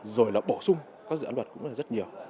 rồi là bổ sung các dự án luật cũng là rất nhiều